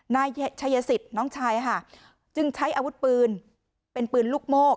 นายชัยสิทธิ์น้องชายค่ะจึงใช้อาวุธปืนเป็นปืนลูกโมก